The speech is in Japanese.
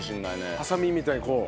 ハサミみたいにこう。